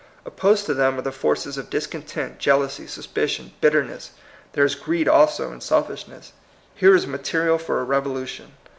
Opposed to them are the forces of discontent, jeal ousy, suspicion, bitterness ; there is greed also and selfishness. Here is material for a revolution.